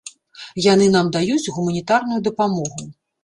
Яны нам даюць гуманітарную дапамогу.